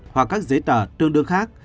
hoặc các giấy tờ tương đương khác